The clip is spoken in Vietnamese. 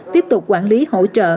tiếp tục quản lý hỗ trợ